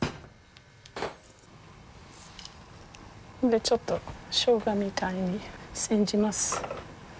ちょっとショウガみたいに煎じます。